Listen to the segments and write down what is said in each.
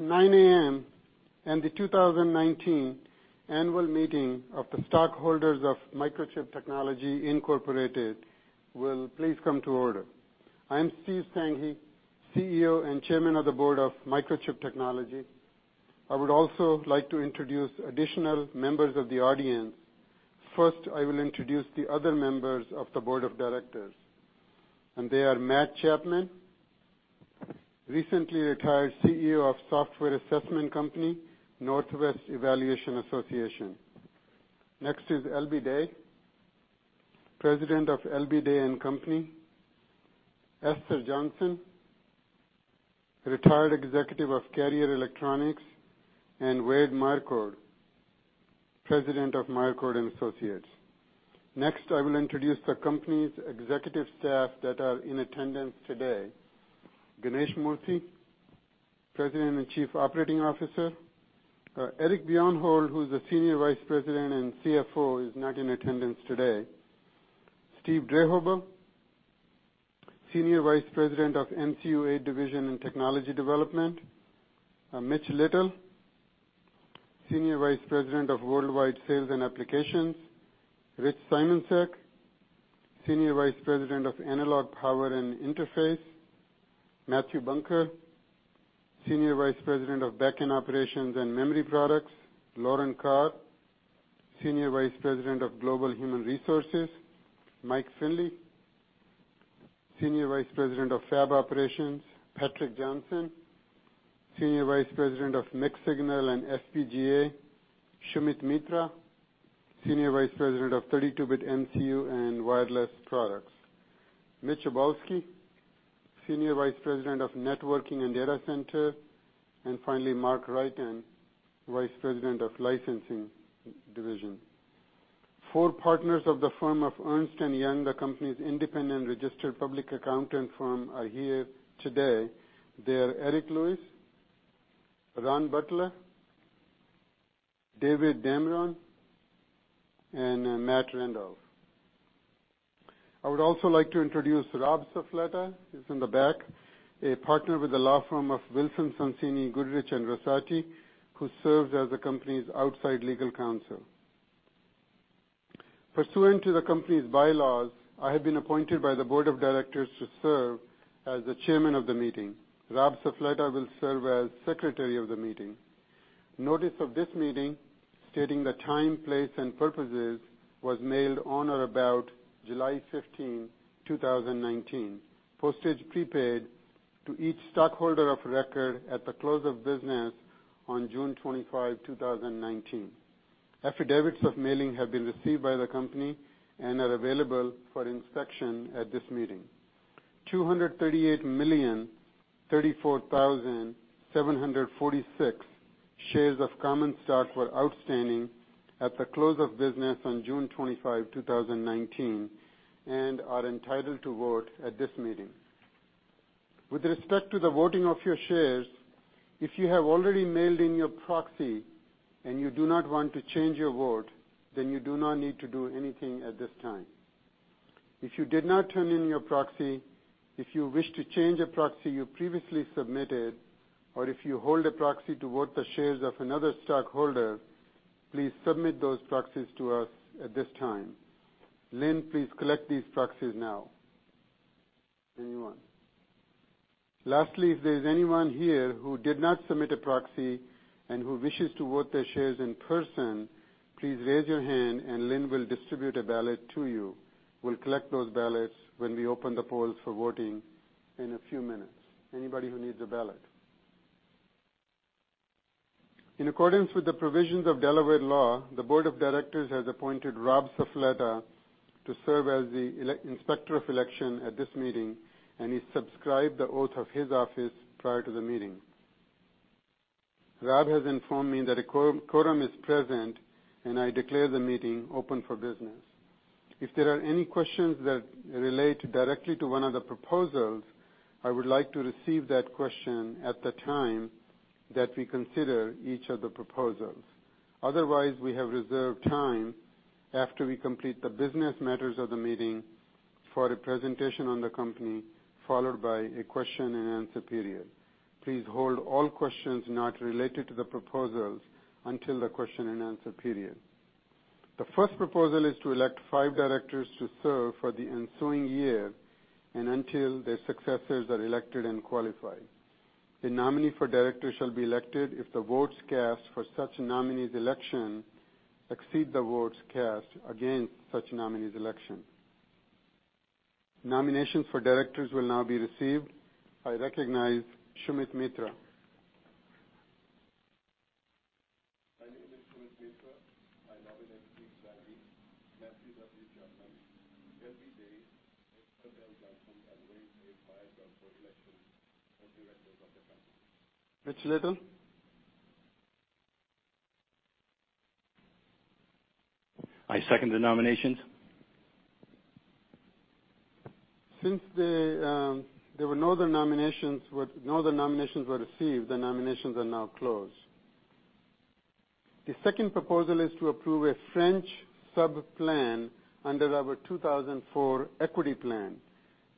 It's 9:00 A.M., the 2019 annual meeting of the stockholders of Microchip Technology Incorporated will please come to order. I am Steve Sanghi, CEO and Chairman of the Board of Microchip Technology. I would also like to introduce additional members of the audience. First, I will introduce the other members of the Board of Directors, and they are Matt Chapman, recently retired CEO of software assessment company, Northwest Evaluation Association. Next is L.B. Day, President of L.B. Day & Company. Esther Johnson, retired executive of Carrier Electronics. Wade Meyercord, President of Meyercord & Associates. Next, I will introduce the company's executive staff that are in attendance today. Ganesh Moorthy, President and Chief Operating Officer. Eric Bjornholt, who's the Senior Vice President and CFO, is not in attendance today. Steve Drehobl, Senior Vice President of MCU Division and Technology Development. Mitch Little, Senior Vice President of Worldwide Sales and Applications. Rich Simoncic, Senior Vice President of Analog Power and Interface. Mathew Bunker, Senior Vice President of Back-End Operations and Memory Products. Lauren Carr, Senior Vice President of Global Human Resources. Mike Finley, Senior Vice President of Fab Operations. Patrick Johnson, Senior Vice President of Mixed Signal and FPGA. Sumit Mitra, Senior Vice President of 32-bit MCU and Wireless Products. Mitchel Obolsky, Senior Vice President of Networking and Data Center. Finally, Mark Reiten, Vice President of Licensing Division. Four partners of the firm of Ernst & Young, the company's independent registered public accountant firm, are here today. They are Eric Lewis, Ron Butler, David Damron, and Matt Randolph. I would also like to introduce Robert Suffoletta, who's in the back, a partner with the law firm of Wilson Sonsini Goodrich & Rosati, who serves as the company's outside legal counsel. Pursuant to the company's bylaws, I have been appointed by the board of directors to serve as the chairman of the meeting. Rob Suffoletta will serve as secretary of the meeting. Notice of this meeting, stating the time, place, and purposes, was mailed on or about July 15, 2019, postage prepaid, to each stockholder of record at the close of business on June 25, 2019. Affidavits of mailing have been received by the company and are available for inspection at this meeting. 238,034,746 shares of common stock were outstanding at the close of business on June 25, 2019, and are entitled to vote at this meeting. With respect to the voting of your shares, if you have already mailed in your proxy and you do not want to change your vote, then you do not need to do anything at this time. If you did not turn in your proxy, if you wish to change a proxy you previously submitted, or if you hold a proxy to vote the shares of another stockholder, please submit those proxies to us at this time. Lynn, please collect these proxies now. Anyone? If there's anyone here who did not submit a proxy and who wishes to vote their shares in person, please raise your hand and Lynn will distribute a ballot to you. We'll collect those ballots when we open the polls for voting in a few minutes. Anybody who needs a ballot? In accordance with the provisions of Delaware law, the board of directors has appointed Rob Suffoletta to serve as the inspector of election at this meeting, and he subscribed the oath of his office prior to the meeting. Rob has informed me that a quorum is present, and I declare the meeting open for business. If there are any questions that relate directly to one of the proposals, I would like to receive that question at the time that we consider each of the proposals. Otherwise, we have reserved time after we complete the business matters of the meeting for a presentation on the company, followed by a question-and-answer period. Please hold all questions not related to the proposals until the question-and-answer period. The first proposal is to elect five directors to serve for the ensuing year and until their successors are elected and qualified. A nominee for director shall be elected if the votes cast for such a nominee's election exceed the votes cast against such nominee's election. Nominations for directors will now be received. I recognize Sumit Mitra. My name is Sumit Mitra. I nominate Steve Sanghi, Matthew W. Chapman, L.B. Day, Esther L. Johnson, and Wade Meyercord for election as directors of the company. Mitch Little? I second the nominations. Since there were no other nominations received, the nominations are now closed. The second proposal is to approve a French sub-plan under our 2004 Equity Incentive Plan.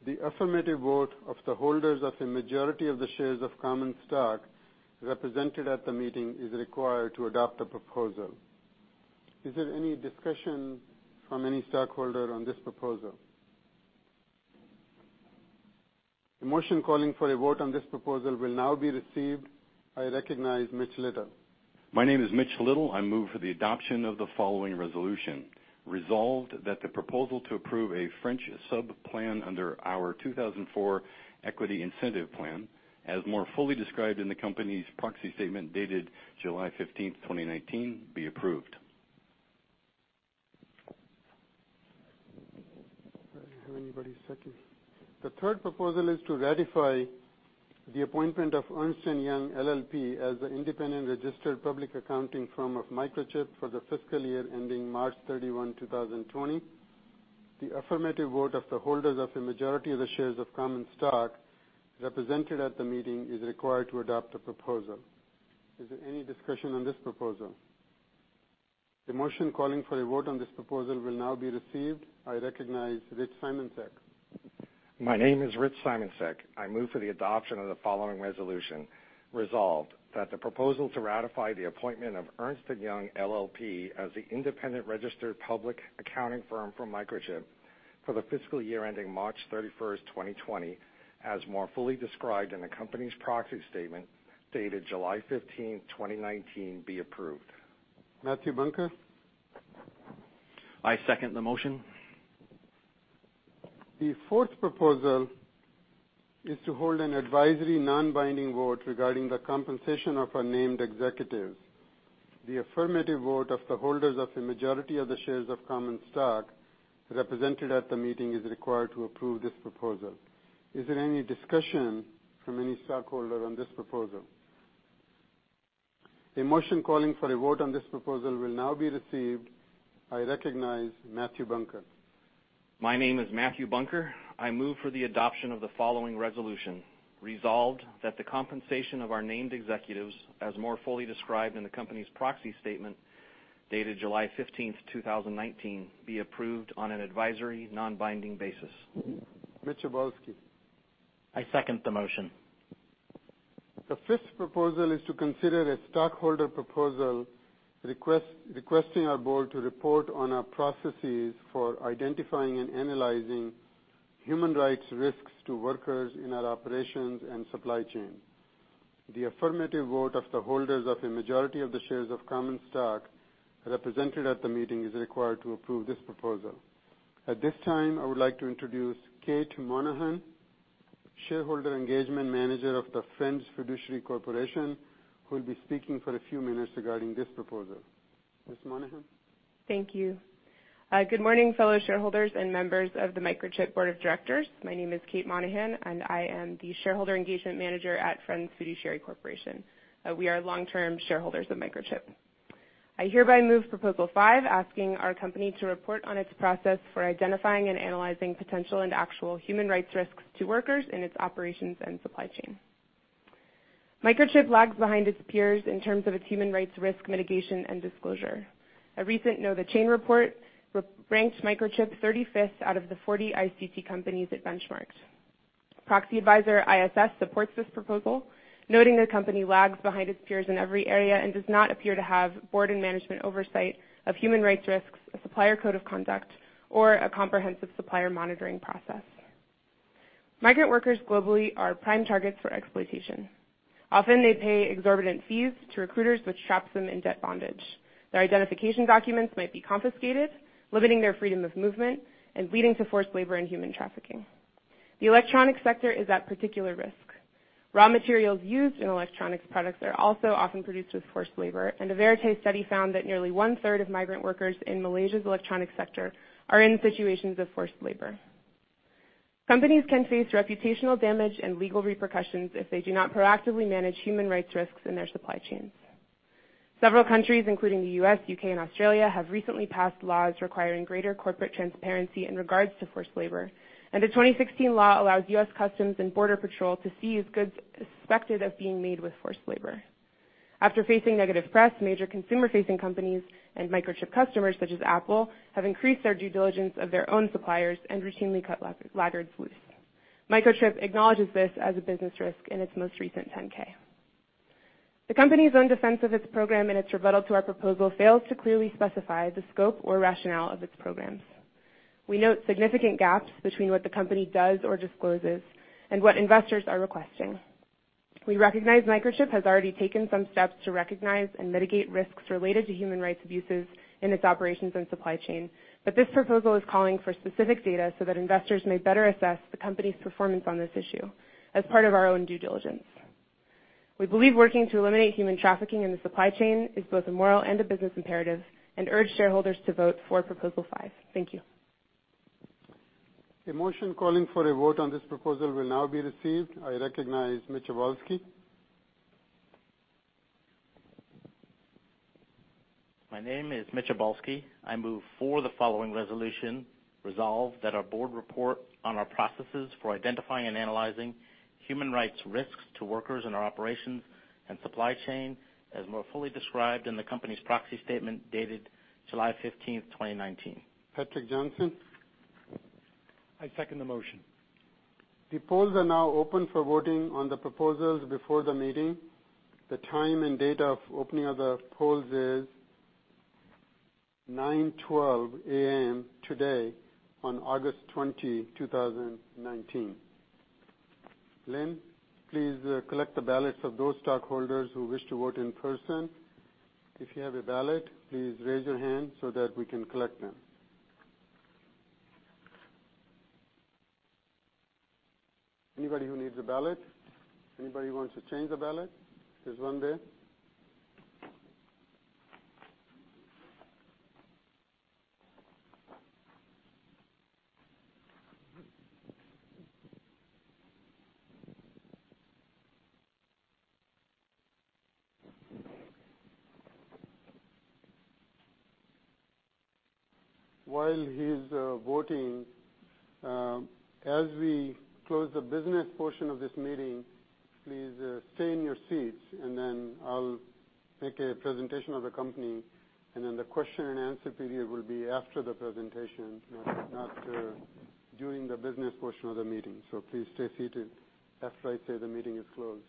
The affirmative vote of the holders of the majority of the shares of common stock represented at the meeting is required to adopt the proposal. Is there any discussion from any stockholder on this proposal? A motion calling for a vote on this proposal will now be received. I recognize Mitch Little. My name is Mitch Little. I move for the adoption of the following resolution. Resolved that the proposal to approve a French sub-plan under our 2004 Equity Incentive Plan, as more fully described in the company's proxy statement dated July 15th, 2019, be approved. I don't have anybody second. The third proposal is to ratify the appointment of Ernst & Young LLP as the independent registered public accounting firm of Microchip for the fiscal year ending March 31, 2020. The affirmative vote of the holders of the majority of the shares of common stock represented at the meeting is required to adopt the proposal. Is there any discussion on this proposal? A motion calling for a vote on this proposal will now be received. I recognize Rich Simoncic. My name is Rich Simoncic. I move for the adoption of the following resolution. Resolved that the proposal to ratify the appointment of Ernst & Young LLP as the independent registered public accounting firm for Microchip for the fiscal year ending March 31st, 2020, as more fully described in the company's proxy statement dated July 15th, 2019, be approved. Mathew Bunker? I second the motion. The fourth proposal is to hold an advisory non-binding vote regarding the compensation of our named executives. The affirmative vote of the holders of the majority of the shares of common stock represented at the meeting is required to approve this proposal. Is there any discussion from any stockholder on this proposal? A motion calling for a vote on this proposal will now be received. I recognize Mathew Bunker. My name is Mathew Bunker. I move for the adoption of the following resolution. Resolved that the compensation of our named executives, as more fully described in the company's proxy statement dated July 15th, 2019, be approved on an advisory non-binding basis. Rich Owalski. I second the motion. The fifth proposal is to consider a stockholder proposal requesting our board to report on our processes for identifying and analyzing human rights risks to workers in our operations and supply chain. The affirmative vote of the holders of the majority of the shares of common stock represented at the meeting is required to approve this proposal. At this time, I would like to introduce Kate Monahan, shareholder engagement manager of the Friends Fiduciary Corporation, who will be speaking for a few minutes regarding this proposal. Ms. Monahan. Thank you. Good morning, fellow shareholders and members of the Microchip board of directors. My name is Kate Monahan, and I am the shareholder engagement manager at Friends Fiduciary Corporation. We are long-term shareholders of Microchip. I hereby move proposal 5, asking our company to report on its process for identifying and analyzing potential and actual human rights risks to workers in its operations and supply chain. Microchip lags behind its peers in terms of its human rights risk mitigation and disclosure. A recent KnowTheChain report ranked Microchip 35th out of the 40 ICT companies it benchmarked. Proxy adviser ISS supports this proposal, noting the company lags behind its peers in every area and does not appear to have board and management oversight of human rights risks, a supplier code of conduct, or a comprehensive supplier monitoring process. Migrant workers globally are prime targets for exploitation. Often, they pay exorbitant fees to recruiters, which traps them in debt bondage. Their identification documents might be confiscated, limiting their freedom of movement and leading to forced labor and human trafficking. The electronic sector is at particular risk. Raw materials used in electronics products are also often produced with forced labor, and a Verité study found that nearly one-third of migrant workers in Malaysia's electronic sector are in situations of forced labor. Companies can face reputational damage and legal repercussions if they do not proactively manage human rights risks in their supply chains. Several countries, including the U.S., U.K., and Australia, have recently passed laws requiring greater corporate transparency in regards to forced labor, and a 2016 law allows U.S. Customs and Border Protection to seize goods suspected of being made with forced labor. After facing negative press, major consumer-facing companies and Microchip customers such as Apple, have increased their due diligence of their own suppliers and routinely cut laggards loose. Microchip acknowledges this as a business risk in its most recent 10-K. The company's own defense of its program and its rebuttal to our proposal fails to clearly specify the scope or rationale of its programs. We note significant gaps between what the company does or discloses and what investors are requesting. We recognize Microchip has already taken some steps to recognize and mitigate risks related to human rights abuses in its operations and supply chain. This proposal is calling for specific data so that investors may better assess the company's performance on this issue as part of our own due diligence. We believe working to eliminate human trafficking in the supply chain is both a moral and a business imperative and urge shareholders to vote for proposal five. Thank you. A motion calling for a vote on this proposal will now be received. I recognize Rich Owalski. My name is Mitch Obolsky. I move for the following resolution, resolve that our board report on our processes for identifying and analyzing human rights risks to workers in our operations and supply chain, as more fully described in the company's proxy statement dated July 15th, 2019. Patrick Johnson. I second the motion. The polls are now open for voting on the proposals before the meeting. The time and date of opening of the polls is 9:12 A.M. today on August 20, 2019. Lynn, please collect the ballots of those stockholders who wish to vote in person. If you have a ballot, please raise your hand so that we can collect them. Anybody who needs a ballot? Anybody wants to change the ballot? There's one there. While he's voting, as we close the business portion of this meeting, please stay in your seats, and then I'll make a presentation of the company, and then the question and answer period will be after the presentation, not during the business portion of the meeting. Please stay seated after I say the meeting is closed.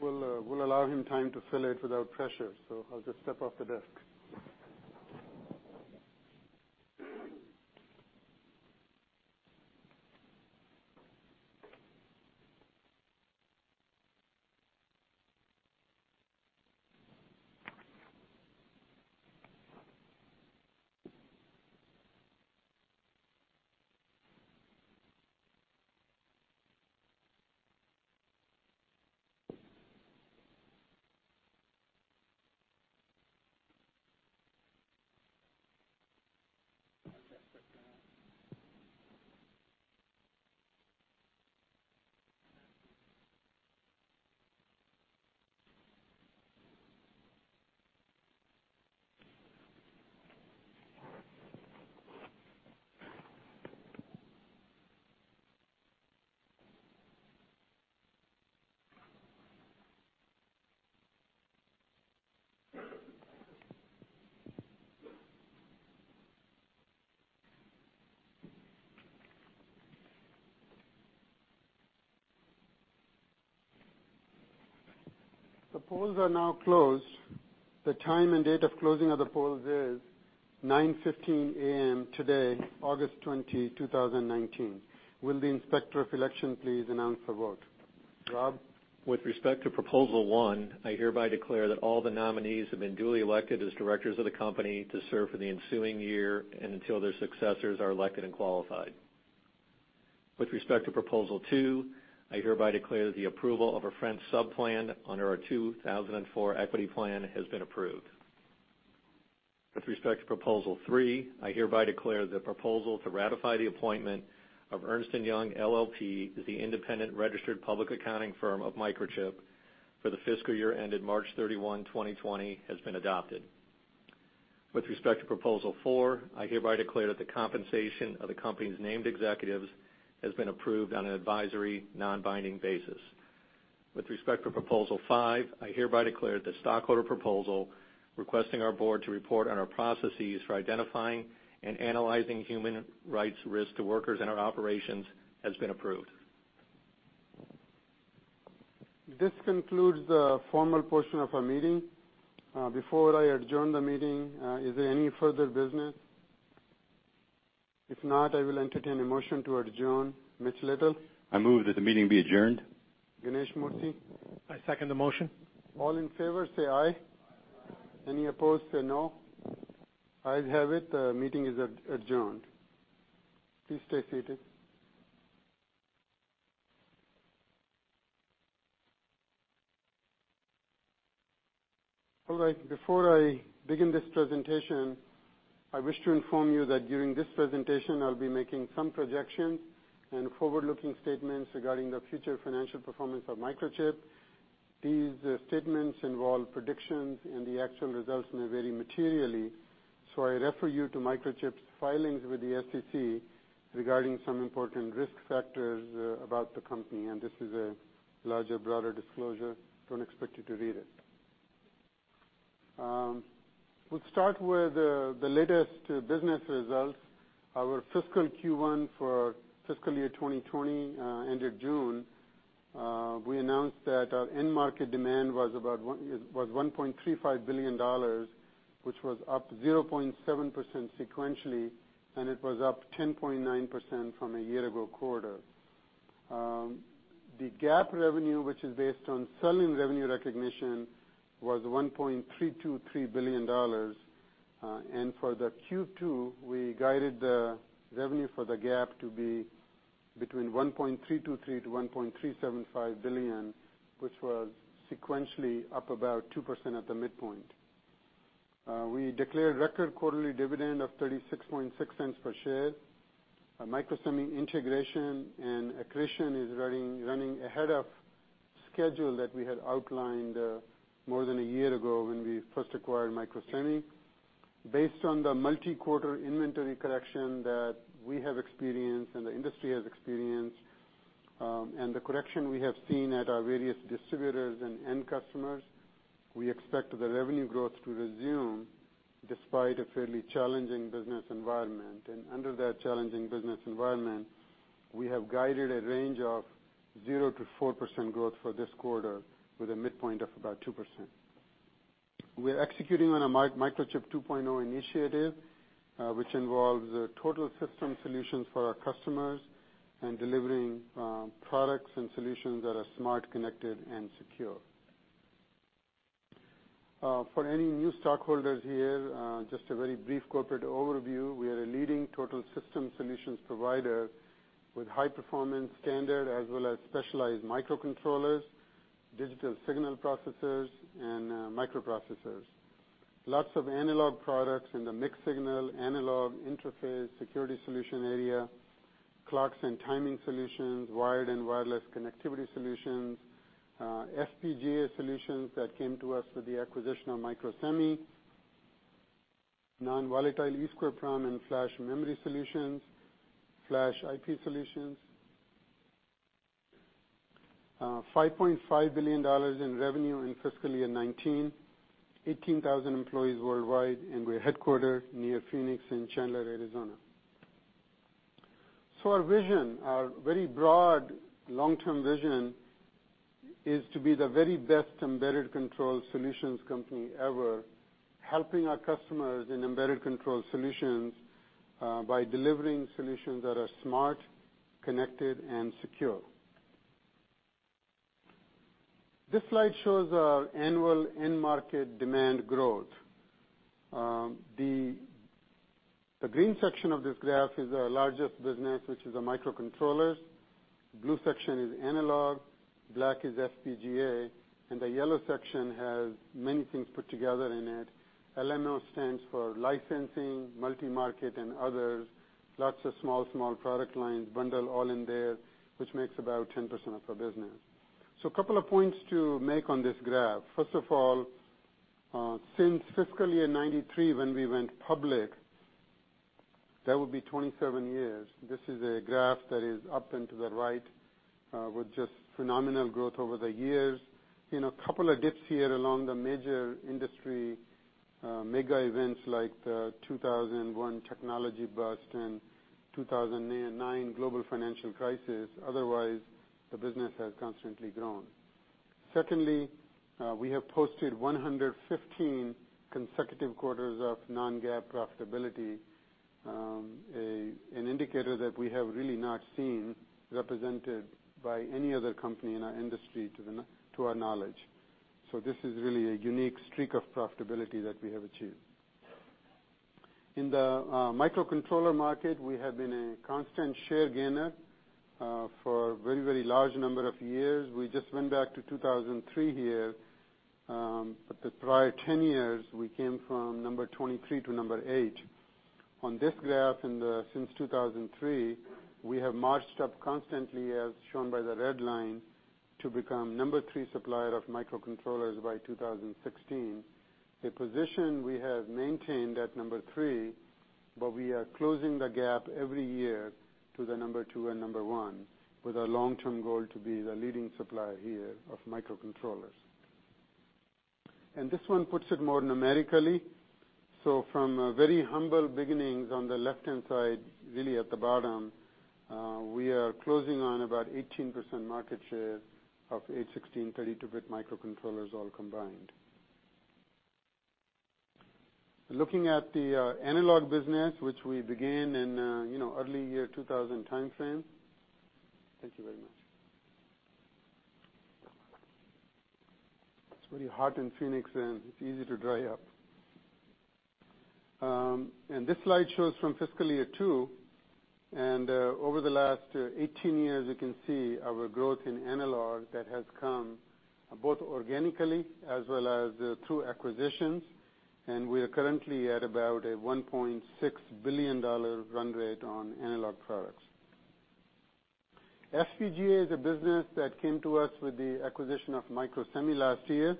We'll allow him time to fill it without pressure, so I'll just step off the desk. The polls are now closed. The time and date of closing of the polls is 9:15 A.M. today, August 20, 2019. Will the Inspector of Election please announce the vote? Rob. With respect to proposal 1, I hereby declare that all the nominees have been duly elected as directors of the company to serve for the ensuing year and until their successors are elected and qualified. With respect to proposal 2, I hereby declare the approval of our French sub-plan under our 2004 Equity Plan has been approved. With respect to proposal 3, I hereby declare the proposal to ratify the appointment of Ernst & Young LLP as the independent registered public accounting firm of Microchip for the fiscal year ended March 31, 2020 has been adopted. With respect to proposal 4, I hereby declare that the compensation of the company's named executives has been approved on an advisory, non-binding basis. With respect to proposal five, I hereby declare that stockholder proposal requesting our board to report on our processes for identifying and analyzing human rights risks to workers in our operations has been approved. This concludes the formal portion of our meeting. Before I adjourn the meeting, is there any further business? If not, I will entertain a motion to adjourn. Mitch Little. I move that the meeting be adjourned. Ganesh Moorthy. I second the motion. All in favor say aye. Aye. Any opposed, say no. Ayes have it. The meeting is adjourned. Please stay seated. All right. Before I begin this presentation, I wish to inform you that during this presentation, I'll be making some projections and forward-looking statements regarding the future financial performance of Microchip. These statements involve predictions. The actual results may vary materially. I refer you to Microchip's filings with the SEC regarding some important risk factors about the company. This is a larger, broader disclosure. Don't expect you to read it. We'll start with the latest business results. Our fiscal Q1 for fiscal year 2020 ended June. We announced that our end market demand was $1.35 billion, which was up 0.7% sequentially. It was up 10.9% from a year ago quarter. The GAAP revenue, which is based on selling revenue recognition, was $1.323 billion. For the Q2, we guided the revenue for GAAP to be between $1.323 billion-$1.375 billion, which was sequentially up about 2% at the midpoint. We declared record quarterly dividend of $0.366 per share. Microsemi integration and accretion is running ahead of schedule that we had outlined more than one year ago when we first acquired Microsemi. Based on the multi-quarter inventory correction that we have experienced and the industry has experienced, and the correction we have seen at our various distributors and end customers, we expect the revenue growth to resume despite a fairly challenging business environment. Under that challenging business environment, we have guided a range of 0%-4% growth for this quarter with a midpoint of about 2%. We're executing on a Microchip 2.0 initiative, which involves total system solutions for our customers and delivering products and solutions that are smart, connected, and secure. For any new stockholders here, just a very brief corporate overview. We are a leading total system solutions provider with high-performance standard as well as specialized microcontrollers, digital signal processors, and microprocessors. Lots of analog products in the mixed signal, analog, interface, security solution area, clocks and timing solutions, wired and wireless connectivity solutions, FPGA solutions that came to us with the acquisition of Microsemi, nonvolatile EEPROM and Flash IP solutions, Flash IP solutions. $5.5 billion in revenue in fiscal year 2019, 18,000 employees worldwide, and we're headquartered near Phoenix in Chandler, Arizona. Our vision, our very broad long-term vision is to be the very best embedded control solutions company ever, helping our customers in embedded control solutions by delivering solutions that are smart, connected, and secure. This slide shows our annual end market demand growth. The green section of this graph is our largest business, which is the microcontrollers. Blue section is analog, black is FPGA, and the yellow section has many things put together in it. LMO stands for licensing, multi-market, and others. Lots of small product lines bundled all in there, which makes about 10% of our business. A couple of points to make on this graph. First of all, since fiscal year 1993 when we went public, that would be 27 years. This is a graph that is up and to the right with just phenomenal growth over the years. A couple of dips here along the major industry mega events like the 2001 technology bust and 2009 global financial crisis. Otherwise, the business has constantly grown. Secondly, we have posted 115 consecutive quarters of non-GAAP profitability, an indicator that we have really not seen represented by any other company in our industry to our knowledge. This is really a unique streak of profitability that we have achieved. In the microcontroller market, we have been a constant share gainer for a very large number of years. We just went back to 2003 here. The prior 10 years, we came from number 23 to number 8. On this graph since 2003, we have marched up constantly, as shown by the red line, to become number three supplier of microcontrollers by 2016, a position we have maintained at number three, but we are closing the gap every year to the number two and number one, with our long-term goal to be the leading supplier here of microcontrollers. This one puts it more numerically. From a very humble beginnings on the left-hand side, really at the bottom, we are closing on about 18% market share of 8, 16, 32-bit microcontrollers all combined. Looking at the analog business, which we began in early year 2000 timeframe. Thank you very much. It's really hot in Phoenix, and it's easy to dry up. This slide shows from fiscal year two, and over the last 18 years, you can see our growth in analog that has come both organically as well as through acquisitions. We are currently at about a $1.6 billion run rate on analog products. FPGA is a business that came to us with the acquisition of Microsemi last year.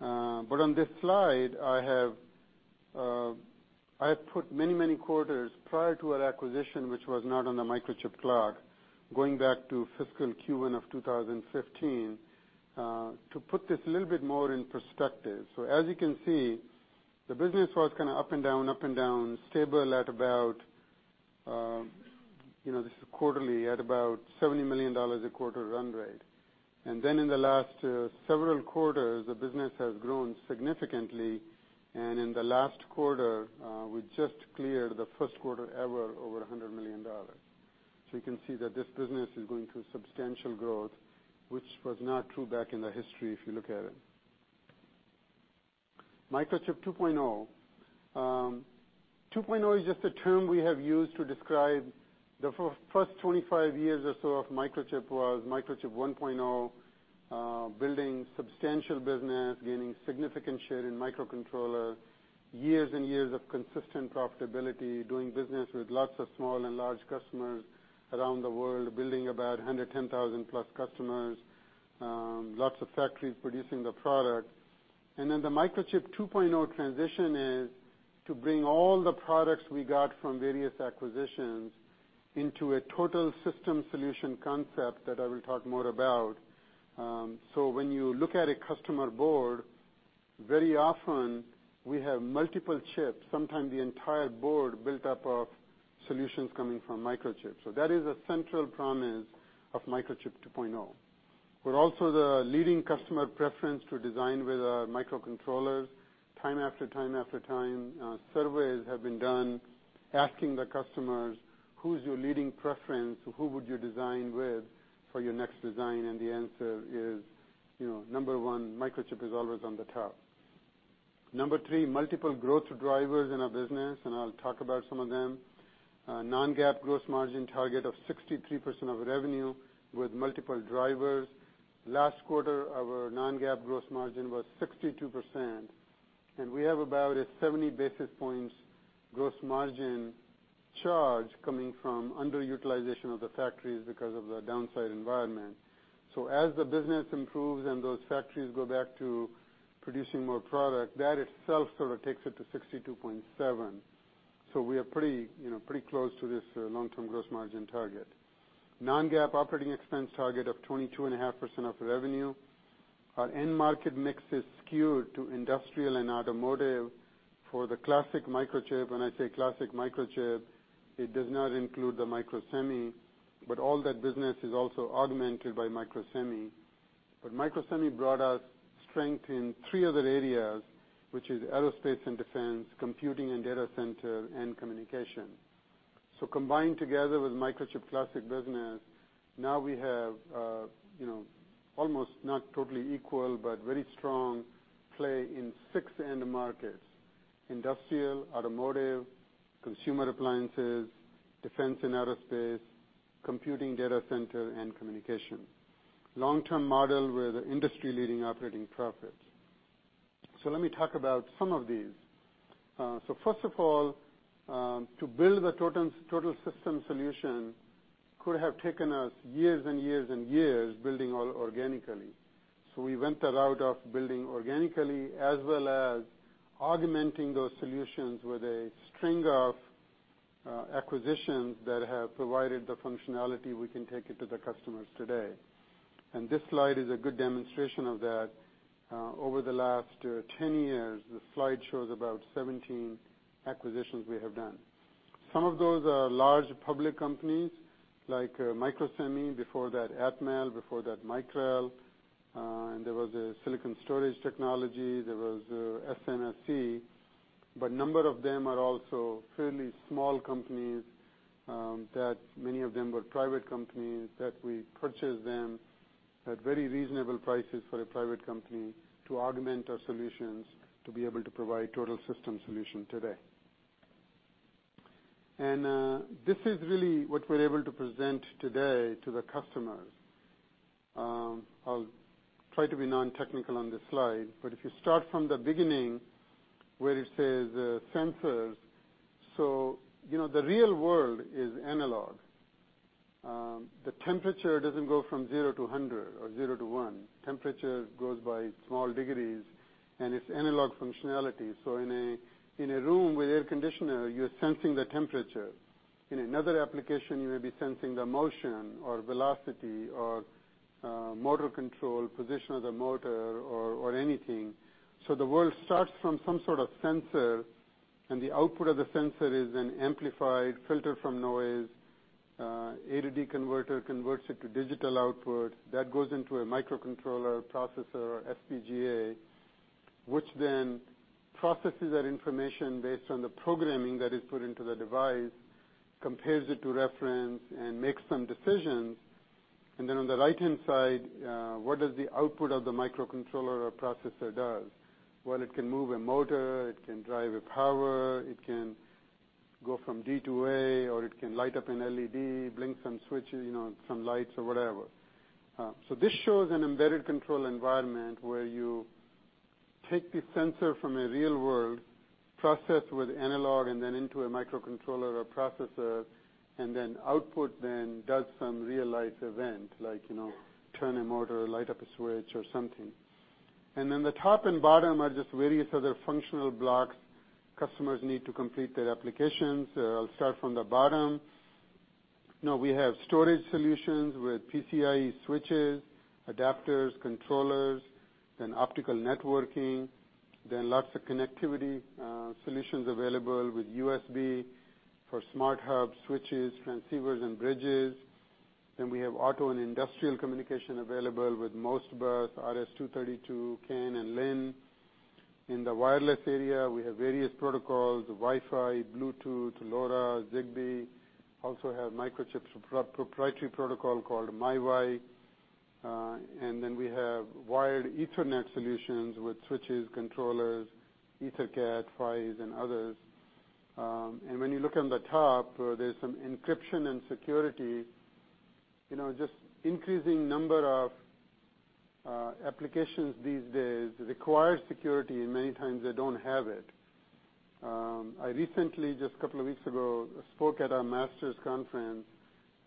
On this slide, I have put many quarters prior to our acquisition, which was not on the Microchip clock, going back to fiscal Q1 of 2015, to put this a little bit more in perspective. As you can see, the business was kind of up and down, stable at about, this is quarterly, at about $70 million a quarter run rate. Then in the last several quarters, the business has grown significantly, and in the last quarter, we just cleared the first quarter ever over $100 million. You can see that this business is going through substantial growth, which was not true back in the history if you look at it. Microchip 2.0 is just a term we have used to describe the first 25 years or so of Microchip was Microchip 1.0, building substantial business, gaining significant share in microcontrollers, years and years of consistent profitability, doing business with lots of small and large customers around the world, building about 110,000-plus customers, lots of factories producing the product. The Microchip 2.0 transition is to bring all the products we got from various acquisitions into a total system solution concept that I will talk more about. When you look at a customer board, very often we have multiple chips, sometimes the entire board built up of solutions coming from Microchip. That is a central promise of Microchip 2.0. We're also the leading customer preference to design with our microcontrollers, time after time after time. Surveys have been done asking the customers, "Who's your leading preference? Who would you design with for your next design?" The answer is, number one, Microchip is always on the top. Number three, multiple growth drivers in our business, and I'll talk about some of them. Non-GAAP gross margin target of 63% of revenue with multiple drivers. Last quarter, our non-GAAP gross margin was 62%, and we have about a 70 basis points gross margin charge coming from underutilization of the factories because of the downside environment. As the business improves and those factories go back to producing more product, that itself sort of takes it to 62.7. We are pretty close to this long-term gross margin target. Non-GAAP operating expense target of 22.5% of revenue. Our end market mix is skewed to industrial and automotive for the classic Microchip, when I say classic Microchip, it does not include the Microsemi, but all that business is also augmented by Microsemi. Microsemi brought us strength in three other areas, which is aerospace and defense, computing and data center, and communication. Combined together with Microchip classic business, now we have almost, not totally equal, but very strong play in six end markets, industrial, automotive, consumer appliances, defense and aerospace, computing data center, and communication. Long-term model with industry-leading operating profits. Let me talk about some of these. First of all, to build the total system solution could have taken us years and years and years building all organically. We went the route of building organically as well as augmenting those solutions with a string of acquisitions that have provided the functionality we can take it to the customers today. This slide is a good demonstration of that. Over the last 10 years, the slide shows about 17 acquisitions we have done. Some of those are large public companies, like Microsemi, before that Atmel, before that Micrel, and there was Silicon Storage Technology, there was SMSC. A number of them are also fairly small companies, that many of them were private companies that we purchased them at very reasonable prices for a private company to augment our solutions to be able to provide total system solution today. This is really what we're able to present today to the customers. I'll try to be non-technical on this slide, but if you start from the beginning where it says sensors. The real world is analog. The temperature doesn't go from zero to 100 or zero to one. Temperature goes by small degrees and it's analog functionality. In a room with air conditioner, you're sensing the temperature. In another application, you may be sensing the motion or velocity or motor control, position of the motor or anything. The world starts from some sort of sensor, and the output of the sensor is an amplified filter from noise. A to D converter converts it to digital output. That goes into a microcontroller, processor, FPGA, which then processes that information based on the programming that is put into the device, compares it to reference, and makes some decisions. Then on the right-hand side, what does the output of the microcontroller or processor does? It can move a motor, it can drive a power, it can go from D to A, or it can light up an LED, blink some switches, some lights or whatever. This shows an embedded control environment where you take the sensor from a real-world, process with analog, and then into a microcontroller or processor, and then output then does some real-life event, like turn a motor, light up a switch or something. Then the top and bottom are just various other functional blocks customers need to complete their applications. I'll start from the bottom. We have storage solutions with PCIe switches, adapters, controllers, then optical networking. Lots of connectivity solutions available with USB for smart hubs, switches, transceivers, and bridges. We have auto and industrial communication available with MOST bus, RS232, CAN, and LIN. In the wireless area, we have various protocols, Wi-Fi, Bluetooth, LoRa, Zigbee. Also have Microchip's proprietary protocol called MiWi. We have wired Ethernet solutions with switches, controllers, EtherCAT, PHY, and others. When you look on the top, there's some encryption and security. Just increasing number of applications these days require security, and many times they don't have it. I recently, just a couple of weeks ago, spoke at a Masters Conference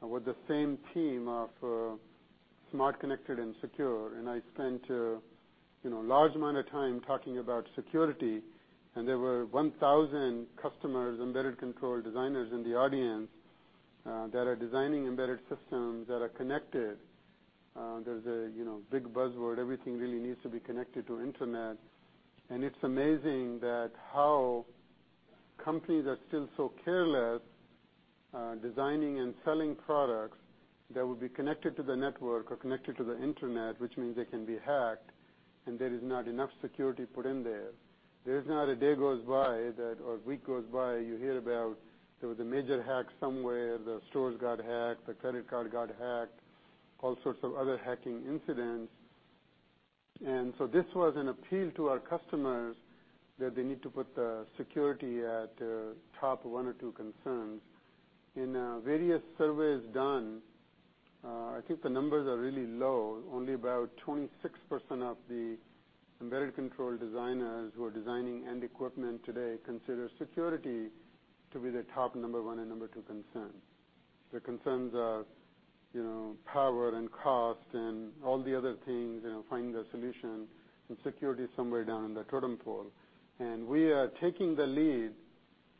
with the same team of smart, connected, and secure, and I spent a large amount of time talking about security. There were 1,000 customers, embedded control designers in the audience that are designing embedded systems that are connected. There's a big buzzword, everything really needs to be connected to Internet. It's amazing that how companies are still so careless, designing and selling products that will be connected to the network or connected to the Internet, which means they can be hacked, and there is not enough security put in there. There is not a day goes by or week goes by, you hear about there was a major hack somewhere, the stores got hacked, the credit card got hacked, all sorts of other hacking incidents. So this was an appeal to our customers that they need to put the security at top 1 or 2 concerns. In various surveys done, I think the numbers are really low. Only about 26% of the embedded control designers who are designing end equipment today consider security to be their top number 1 and number 2 concern. Their concerns are power and cost and all the other things and finding the solution, and security is somewhere down in the totem pole. We are taking the lead,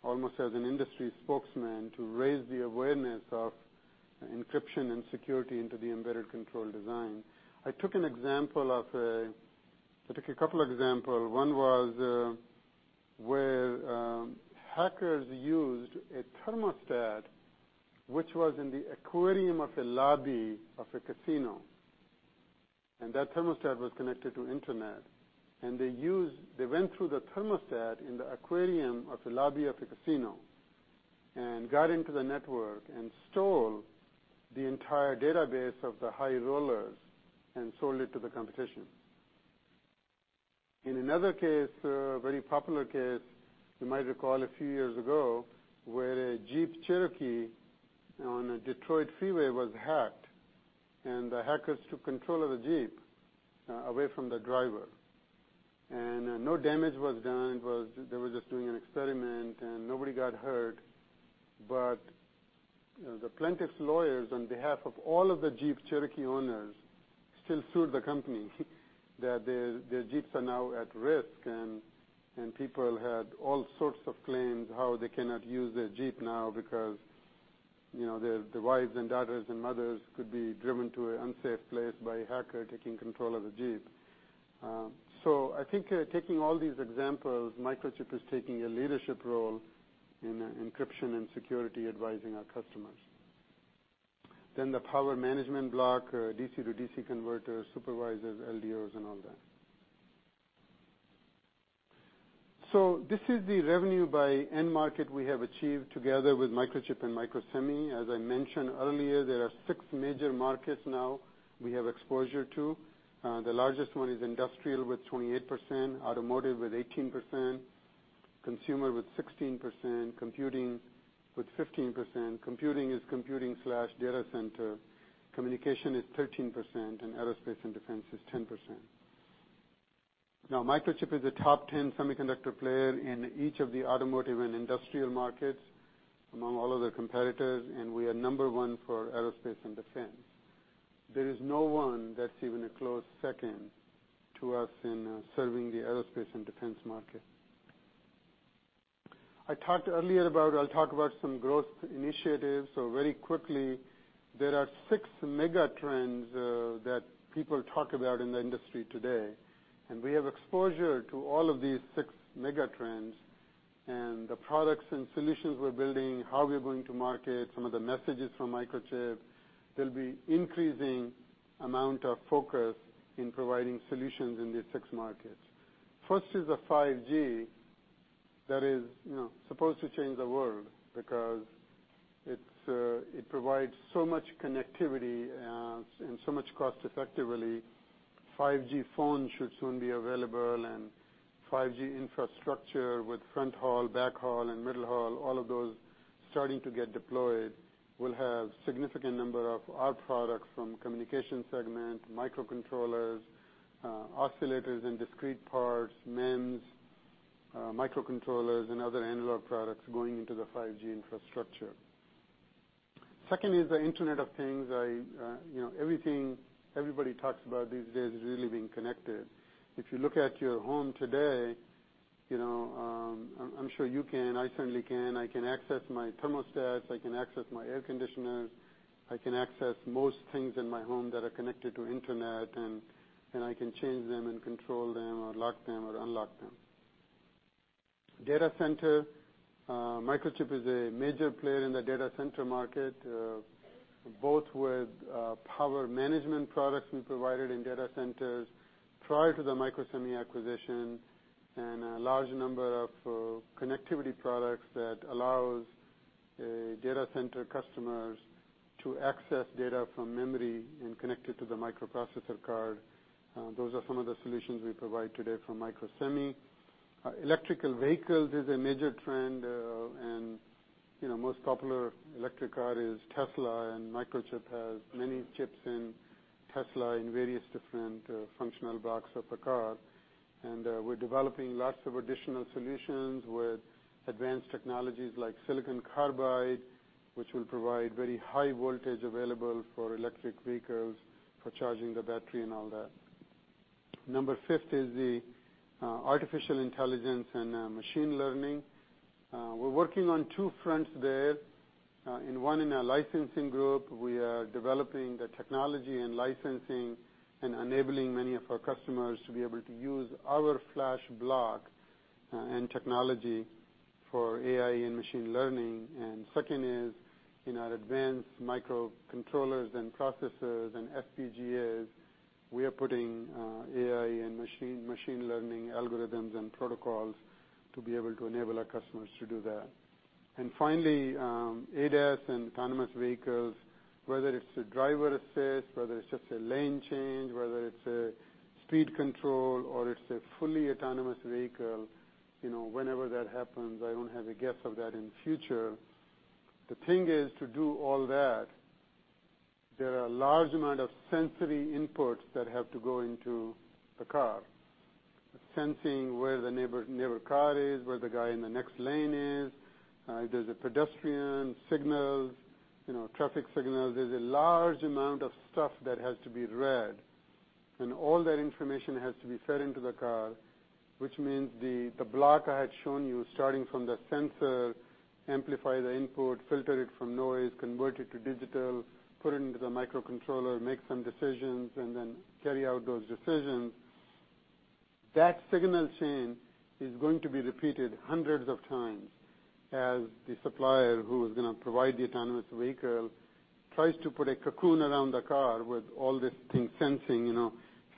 almost as an industry spokesman, to raise the awareness of encryption and security into the embedded control design. I took a couple example. One was where hackers used a thermostat, which was in the aquarium of a lobby of a casino, and that thermostat was connected to Internet. They went through the thermostat in the aquarium of the lobby of the casino and got into the network and stole the entire database of the high rollers and sold it to the competition. In another case, a very popular case, you might recall a few years ago, where a Jeep Cherokee on a Detroit freeway was hacked, and the hackers took control of the Jeep away from the driver. No damage was done, they were just doing an experiment, and nobody got hurt. The plaintiff's lawyers, on behalf of all of the Jeep Cherokee owners, still sued the company that their Jeeps are now at risk and people had all sorts of claims how they cannot use their Jeep now because their wives and daughters and mothers could be driven to an unsafe place by a hacker taking control of the Jeep. I think taking all these examples, Microchip is taking a leadership role in encryption and security advising our customers. The power management block, DC-to-DC converters, supervisors, LDOs, and all that. This is the revenue by end market we have achieved together with Microchip and Microsemi. As I mentioned earlier, there are six major markets now we have exposure to. The largest one is industrial with 28%, automotive with 18%, consumer with 16%, computing with 15%, computing is computing/data center, communication is 13%, and aerospace and defense is 10%. Microchip is a top 10 semiconductor player in each of the automotive and industrial markets among all other competitors, and we are number one for aerospace and defense. There is no one that's even a close second to us in serving the aerospace and defense market. I'll talk about some growth initiatives. Very quickly, there are six mega trends that people talk about in the industry today, and we have exposure to all of these six mega trends. The products and solutions we're building, how we're going to market, some of the messages from Microchip, there'll be increasing amount of focus in providing solutions in these six markets. First is the 5G that is supposed to change the world because it provides so much connectivity and so much cost effectively. 5G phones should soon be available, and 5G infrastructure with front haul, back haul, and middle haul, all of those starting to get deployed, will have significant number of our products from communication segment, microcontrollers, oscillators and discrete parts, MEMS, microcontrollers, and other analog products going into the 5G infrastructure. Second is the Internet of Things. Everything everybody talks about these days is really being connected. If you look at your home today, I'm sure you can, I certainly can, I can access my thermostats, I can access my air conditioners, I can access most things in my home that are connected to internet, and I can change them and control them or lock them or unlock them. Data center. Microchip is a major player in the data center market, both with power management products we provided in data centers prior to the Microsemi acquisition and a large number of connectivity products that allow data center customers to access data from memory and connect it to the microprocessor card. Those are some of the solutions we provide today from Microsemi. Most popular electric car is Tesla, and Microchip has many chips in Tesla in various different functional blocks of the car. We're developing lots of additional solutions with advanced technologies like silicon carbide, which will provide very high voltage available for electric vehicles for charging the battery and all that. Number fifth is the artificial intelligence and machine learning. We're working on two fronts there. In one, in our licensing group, we are developing the technology and licensing and enabling many of our customers to be able to use our Flash-IP and technology for AI and machine learning. Second is in our advanced microcontrollers and processors and FPGAs, we are putting AI and machine learning algorithms and protocols to be able to enable our customers to do that. Finally, ADAS and autonomous vehicles, whether it's a driver assist, whether it's just a lane change, whether it's a speed control, or it's a fully autonomous vehicle, whenever that happens, I don't have a guess of that in future. The thing is, to do all that, there are a large amount of sensory inputs that have to go into the car. Sensing where the neighbor car is, where the guy in the next lane is, there's a pedestrian, signals, traffic signals. There's a large amount of stuff that has to be read, and all that information has to be fed into the car, which means the block I had shown you, starting from the sensor, amplify the input, filter it from noise, convert it to digital, put it into the microcontroller, make some decisions, and then carry out those decisions. That signal chain is going to be repeated hundreds of times as the supplier who is going to provide the autonomous vehicle tries to put a cocoon around the car with all these things sensing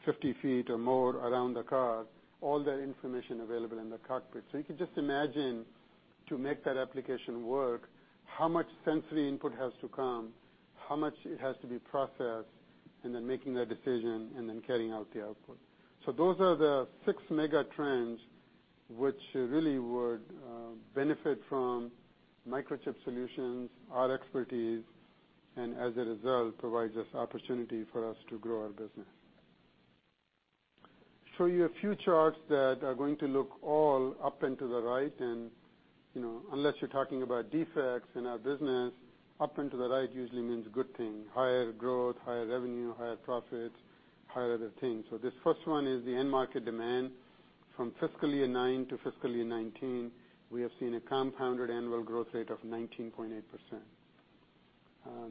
50 feet or more around the car, all that information available in the cockpit. You can just imagine to make that application work, how much sensory input has to come, how much it has to be processed, and then making a decision, and then carrying out the output. Those are the six mega trends which really would benefit from Microchip solutions, our expertise, and as a result, provides us opportunity for us to grow our business. Show you a few charts that are going to look all up and to the right, and unless you're talking about defects in our business, up and to the right usually means good thing, higher growth, higher revenue, higher profit, higher other things. This first one is the end market demand from fiscal year 9 to fiscal year 2019, we have seen a compounded annual growth rate of 19.8%.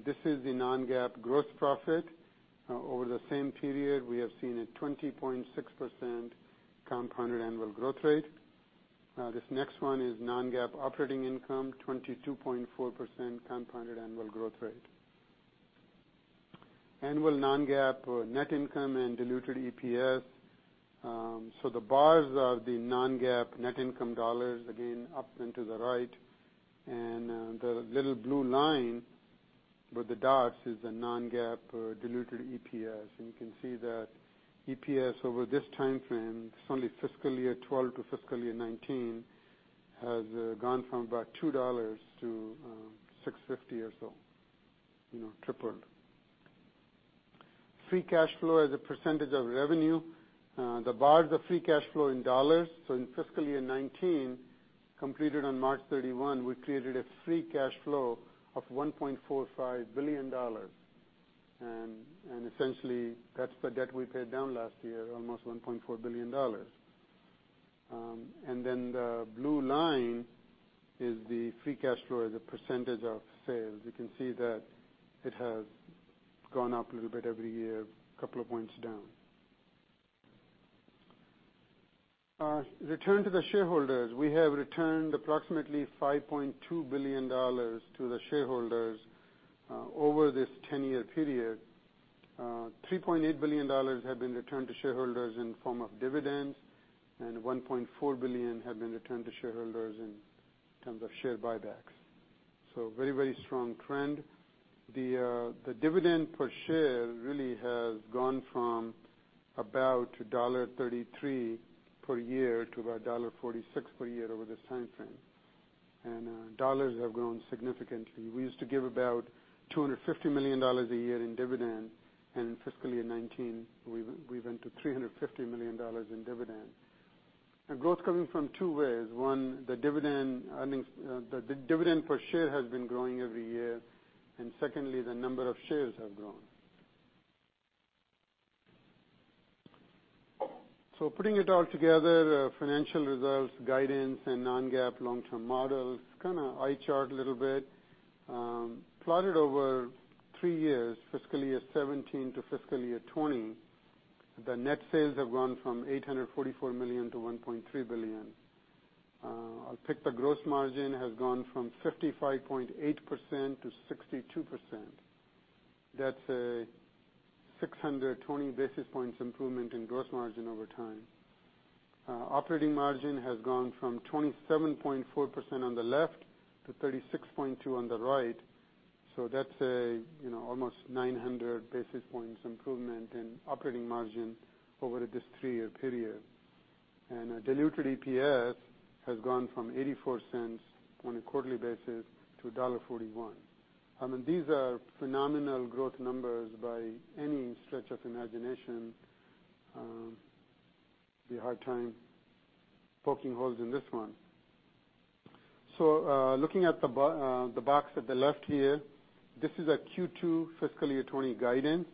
This is the non-GAAP gross profit. Over the same period, we have seen a 20.6% compounded annual growth rate. This next one is non-GAAP operating income, 22.4% compounded annual growth rate. Annual non-GAAP net income and diluted EPS. The bars are the non-GAAP net income dollars, again, up and to the right, and the little blue line with the dots is the non-GAAP diluted EPS. You can see that EPS over this time frame, it's only fiscal year 2012 to fiscal year 2019, has gone from about $2 to $6.50 or so, tripled. Free cash flow as a percentage of revenue. The bars are free cash flow in dollars. In fiscal year 2019, completed on March 31, we created a free cash flow of $1.45 billion. Essentially that's the debt we paid down last year, almost $1.4 billion. The blue line is the free cash flow as a percentage of sales. You can see that it has gone up a little bit every year, a couple of points down. Return to the shareholders. We have returned approximately $5.2 billion to the shareholders over this 10-year period. $3.8 billion have been returned to shareholders in form of dividends, and $1.4 billion have been returned to shareholders in terms of share buybacks. Very strong trend. The dividend per share really has gone from about $1.33 per year to about $1.46 per year over this time frame. Dollars have grown significantly. We used to give about $250 million a year in dividend, and in fiscal year 2019, we went to $350 million in dividend. Growth coming from two ways. One, the dividend per share has been growing every year, and secondly, the number of shares have grown. Putting it all together, financial results, guidance, and non-GAAP long-term models, kind of eye chart a little bit. Plotted over 3 years, fiscal year 2017 to fiscal year 2020, the net sales have gone from $844 million to $1.3 billion. I'll pick the gross margin has gone from 55.8% to 62%. That's a 620 basis points improvement in gross margin over time. Operating margin has gone from 27.4% on the left to 36.2% on the right. That's almost 900 basis points improvement in operating margin over this 3-year period. Diluted EPS has gone from $0.84 on a quarterly basis to $1.41. These are phenomenal growth numbers by any stretch of imagination. It'd be a hard time poking holes in this one. Looking at the box at the left here, this is a Q2 fiscal year 2020 guidance.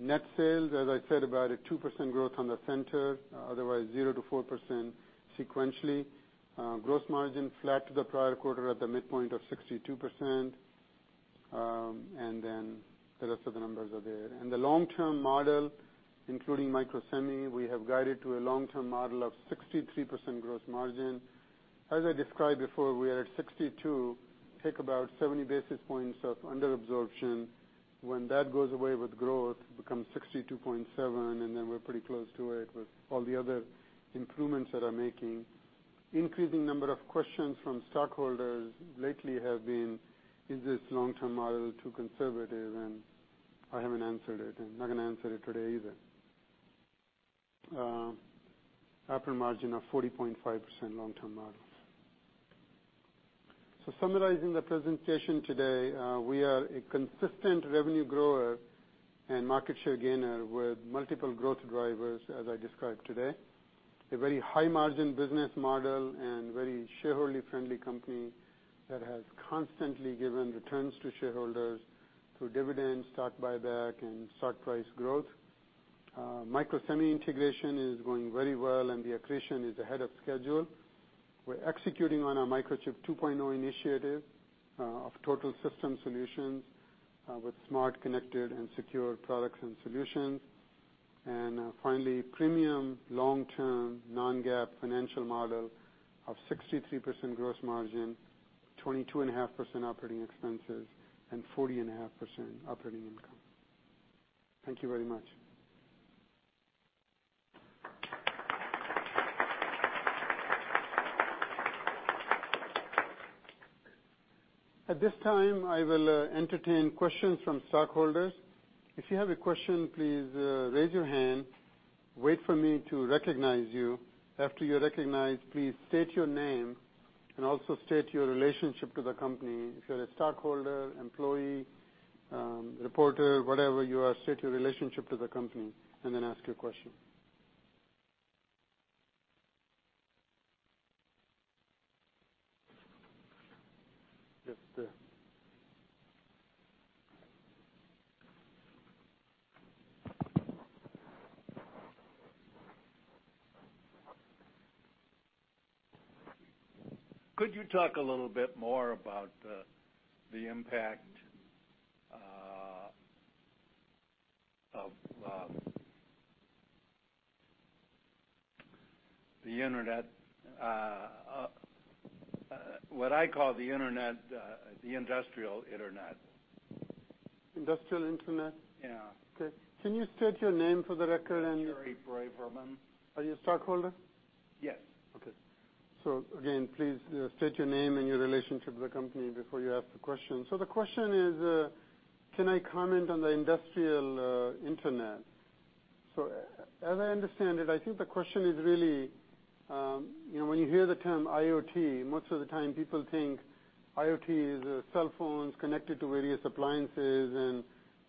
Net sales, as I said, about a 2% growth on the center, otherwise 0 to 4% sequentially. Gross margin, flat to the prior quarter at the midpoint of 62%. The rest of the numbers are there. The long-term model, including Microsemi, we have guided to a long-term model of 63% gross margin. As I described before, we are at 62%, take about 70 basis points of under absorption. When that goes away with growth, it becomes 62.7%, we're pretty close to it with all the other improvements that I'm making. Increasing number of questions from stockholders lately have been, is this long-term model too conservative? I haven't answered it, and I'm not going to answer it today either. Operating margin of 40.5% long-term models. Summarizing the presentation today, we are a consistent revenue grower and market share gainer with multiple growth drivers, as I described today. A very high margin business model and very shareholder-friendly company that has constantly given returns to shareholders through dividends, stock buyback, and stock price growth. Microsemi integration is going very well and the accretion is ahead of schedule. We're executing on our Microchip 2.0 initiative of total system solutions with smart, connected, and secure products and solutions. Finally, premium long-term non-GAAP financial model of 63% gross margin, 22.5% operating expenses, and 40.5% operating income. Thank you very much. At this time, I will entertain questions from stockholders. If you have a question, please raise your hand, wait for me to recognize you. After you're recognized, please state your name and also state your relationship to the company. If you're a stockholder, employee, reporter, whatever you are, state your relationship to the company, and then ask your question. Yes, sir. Could you talk a little bit more about the impact of the internet, what I call the industrial internet? Industrial Internet? Yeah. Okay. Can you state your name for the record and- Jerry Braverman. Are you a stockholder? Yes. Again, please state your name and your relationship to the company before you ask the question. The question is, can I comment on the industrial Internet? As I understand it, I think the question is really when you hear the term IoT, most of the time people think IoT is cell phones connected to various appliances and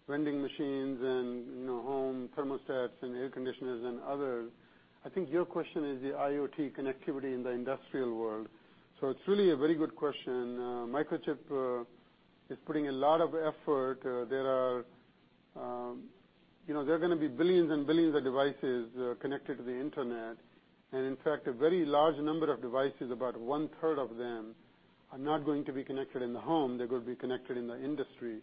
vending machines and home thermostats and air conditioners and others. I think your question is the IoT connectivity in the industrial world. It's really a very good question. Microchip is putting a lot of effort. There are going to be billions and billions of devices connected to the Internet. In fact, a very large number of devices, about one-third of them, are not going to be connected in the home. They're going to be connected in the industry.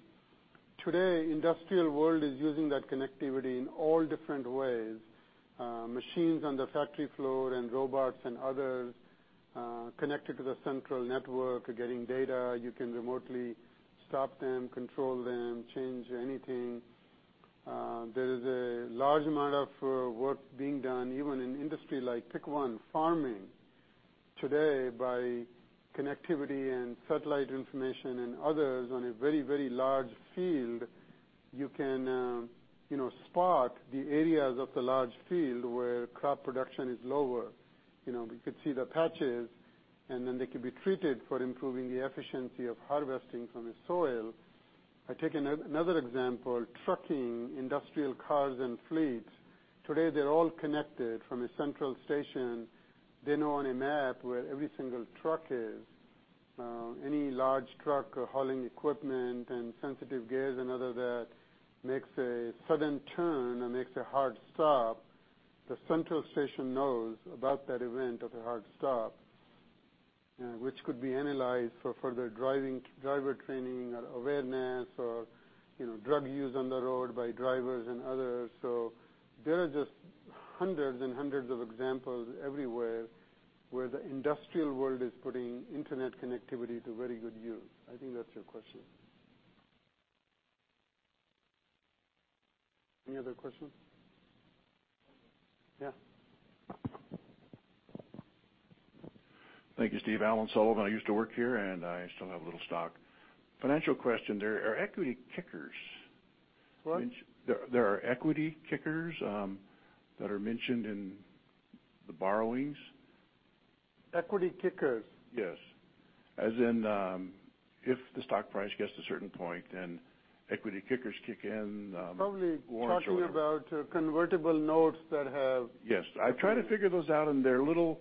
Today, industrial world is using that connectivity in all different ways. Machines on the factory floor and robots and others connected to the central network are getting data. You can remotely stop them, control them, change anything. There is a large amount of work being done even in industry like, pick one, farming. Today, by connectivity and satellite information and others on a very large field, you can spot the areas of the large field where crop production is lower. You could see the patches, and then they could be treated for improving the efficiency of harvesting from the soil. I take another example, trucking, industrial cars, and fleets. Today, they're all connected from a central station. They know on a map where every single truck is. Any large truck hauling equipment and sensitive goods and other that makes a sudden turn and makes a hard stop, the central station knows about that event of a hard stop, which could be analyzed for further driver training or awareness or drug use on the road by drivers and others. There are just hundreds and hundreds of examples everywhere where the industrial world is putting Internet connectivity to very good use. I think that's your question. Any other questions? Yeah. Thank you, Steve. Alan Sullivan. I used to work here, and I still have a little stock. Financial question there. Are equity kickers? What? There are equity kickers that are mentioned in the borrowings. Equity kickers? Yes. As in, if the stock price gets to a certain point, then equity kickers kick in. Probably talking about convertible notes that have- Yes. I've tried to figure those out, and they're a little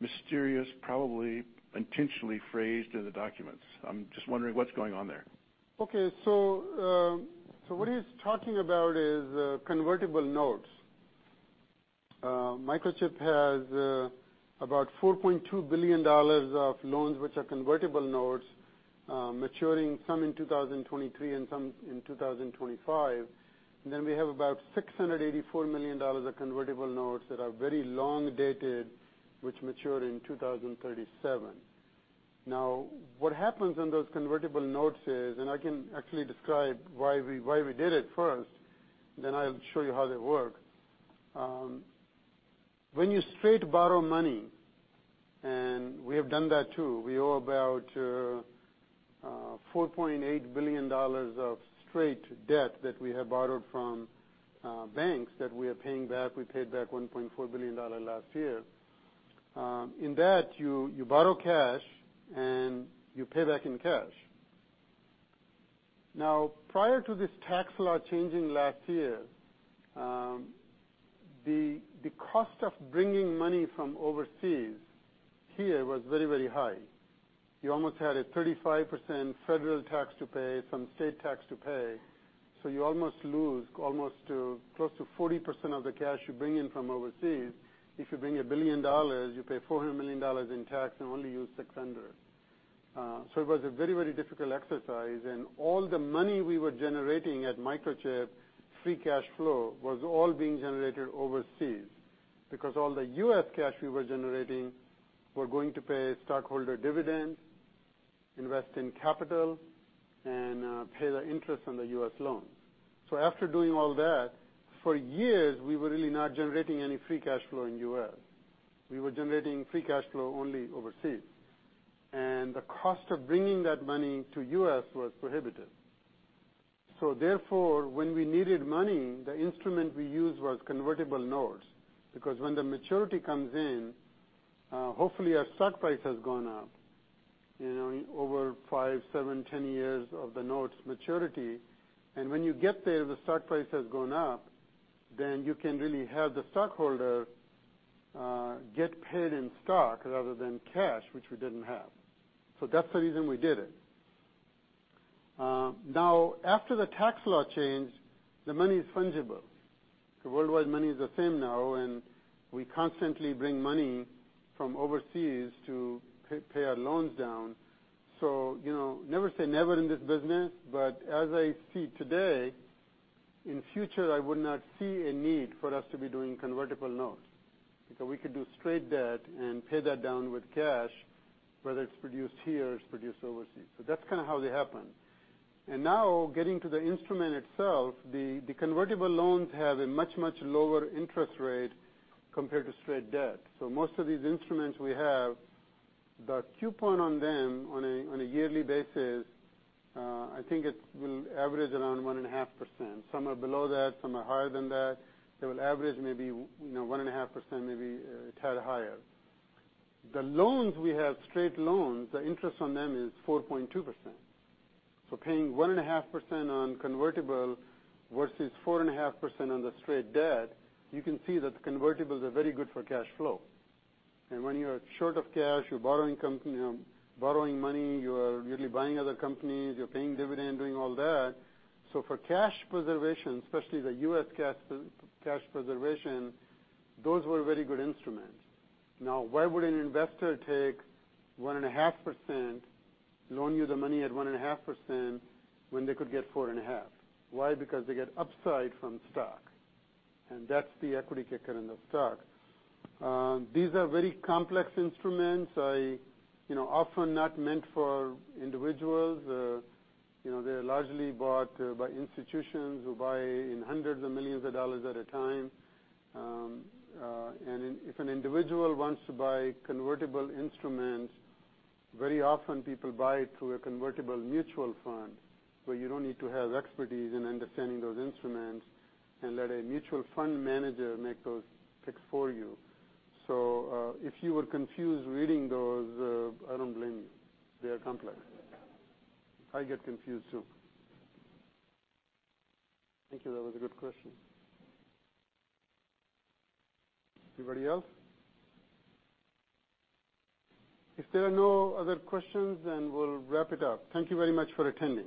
mysterious, probably intentionally phrased in the documents. I'm just wondering what's going on there. Okay. What he's talking about is convertible notes. Microchip has about $4.2 billion of loans, which are convertible notes, maturing some in 2023 and some in 2025. We have about $684 million of convertible notes that are very long-dated, which mature in 2037. What happens in those convertible notes is, I can actually describe why we did it first, I'll show you how they work. When you straight borrow money, we have done that too, we owe about $4.8 billion of straight debt that we have borrowed from banks that we are paying back. We paid back $1.4 billion last year. In that, you borrow cash, you pay back in cash. Prior to this tax law changing last year, the cost of bringing money from overseas here was very, very high. You almost had a 35% federal tax to pay, some state tax to pay. You almost lose close to 40% of the cash you bring in from overseas. If you bring $1 billion, you pay $400 million in tax and only use $600 million. It was a very, very difficult exercise, and all the money we were generating at Microchip, free cash flow, was all being generated overseas because all the U.S. cash we were generating were going to pay stockholder dividends, invest in capital, and pay the interest on the U.S. loans. After doing all that, for years, we were really not generating any free cash flow in U.S. We were generating free cash flow only overseas. The cost of bringing that money to U.S. was prohibitive. Therefore, when we needed money, the instrument we used was convertible notes, because when the maturity comes in, hopefully our stock price has gone up over five, seven, 10 years of the note's maturity. When you get there, the stock price has gone up, then you can really have the stockholder get paid in stock rather than cash, which we didn't have. That's the reason we did it. After the tax law change, the money is fungible. The worldwide money is the same now, and we constantly bring money from overseas to pay our loans down. Never say never in this business, but as I see today, in future, I would not see a need for us to be doing convertible notes. We could do straight debt and pay that down with cash, whether it's produced here or it's produced overseas. That's kind of how they happen. Now, getting to the instrument itself, the convertible loans have a much, much lower interest rate compared to straight debt. Most of these instruments we have, the coupon on them on a yearly basis, I think it will average around 1.5%. Some are below that. Some are higher than that. They will average maybe 1.5%, maybe a tad higher. The loans we have, straight loans, the interest on them is 4.2%. Paying 1.5% on convertible versus 4.5% on the straight debt, you can see that the convertibles are very good for cash flow. When you're short of cash, you're borrowing money, you're really buying other companies, you're paying dividend, doing all that. For cash preservation, especially the U.S. cash preservation, those were very good instruments. Why would an investor take 1.5%, loan you the money at 1.5% when they could get 4.5%? Why? Because they get upside from stock. That's the equity kicker in the stock. These are very complex instruments, often not meant for individuals. They're largely bought by institutions who buy in hundreds of millions of dollars at a time. If an individual wants to buy convertible instruments, very often people buy through a convertible mutual fund, where you don't need to have expertise in understanding those instruments and let a mutual fund manager make those picks for you. If you were confused reading those, I don't blame you. They are complex. I get confused too. Thank you. That was a good question. Anybody else? If there are no other questions, we'll wrap it up. Thank you very much for attending.